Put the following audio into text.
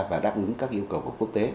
và đáp ứng các yêu cầu của quốc tế